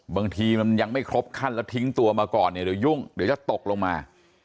บางทีมันยังไม่ครบขั้นแล้วทิ้งตัวมาก่อนเนี่ยเดี๋ยวยุ่งเดี๋ยวจะตกลงมา